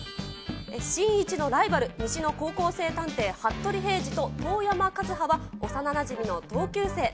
新一のライバル、西の高校生探偵、服部平次と遠山和葉は幼なじみの同級生。